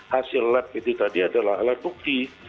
hasil lab itu tadi adalah alat bukti